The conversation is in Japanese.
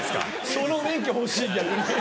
その免許欲しい逆に。